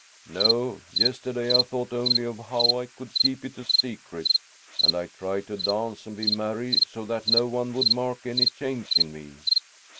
"No! Yesterday I thought only of how I could keep it a secret, and I tried to dance and be merry, so that no one would mark any change in me."